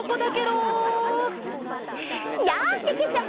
やあけけちゃま！